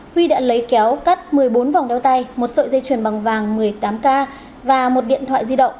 huy đã lấy kéo cắt một mươi bốn vòng đeo tay một sợi dây chuyền bằng vàng một mươi tám k và một điện thoại di động